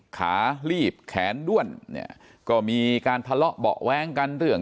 ขาลีบแขนด้วนเนี่ยก็มีการทะเลาะเบาะแว้งกันเรื่อง